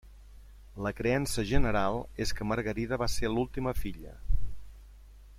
La creença general és que Margarida va ser l'última filla.